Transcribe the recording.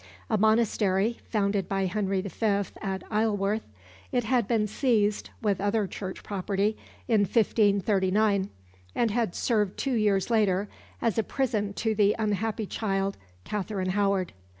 A monastery, founded by Henry V. at Isleworth, it had been seized, with other Church property, in 1539, and had served two years later as prison to the unhappy child, Katherine Howard.